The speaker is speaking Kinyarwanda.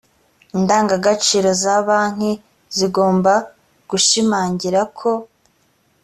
indangagaciro zabanki zigomba gushimangira ko